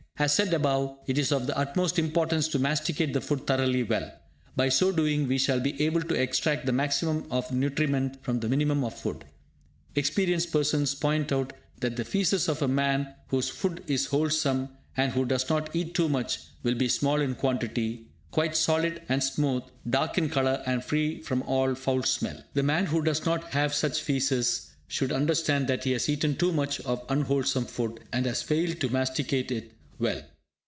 As said above, it is of the utmost importance to masticate the food thoroughly well. By so doing, we shall be able to extract the maximum of nutriment from the minimum of food. Experienced persons point out that the fæces of a man whose food is wholesome, and who does not eat too much, will be small in quantity, quite solid and smooth, dark in colour, and free from all foul smell. The man who does not have such fæces should understand that he has eaten too much of unwholesome food, and has failed to masticate it well.